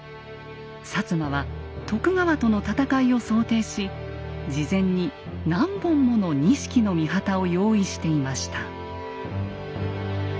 摩は徳川との戦いを想定し事前に何本もの錦の御旗を用意していました。